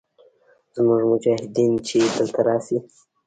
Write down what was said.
زموږ مجاهدین چې دلته راشي.